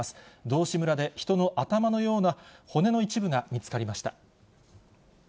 道志村で人の頭のような骨の一部が見つかりました。